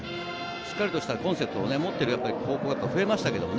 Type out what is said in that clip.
しっかりとしたコンセプトを持っている高校が増えましたけどね。